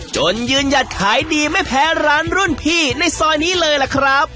จนยืนหยัดขายดีไม่แพ้ร้านรุ่นพี่ในซอยนี้เลยล่ะครับ